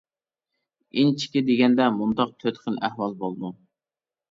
ئىنچىكە دېگەندە مۇنداق تۆت خىل ئەھۋال بولىدۇ.